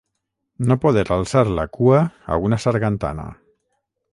No poder alçar la cua a una sargantana.